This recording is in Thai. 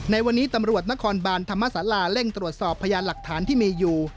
ในวันนี้ตำรวจนครบานธรรมศาลาเร่งตรวจสอบพยานหลักฐานที่มีอยู่